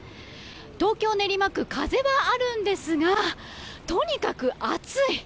東京・練馬区、風はあるんですがとにかく暑い。